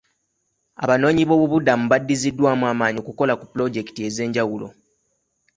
Abanoonyiboobubuddamu badiziddwamu amaanyi okukola ku pulojekiti ez'enjawulo.